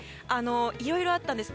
いろいろあったんです。